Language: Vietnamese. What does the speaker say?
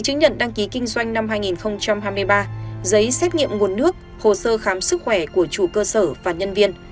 chứng nhận đăng ký kinh doanh năm hai nghìn hai mươi ba giấy xét nghiệm nguồn nước hồ sơ khám sức khỏe của chủ cơ sở và nhân viên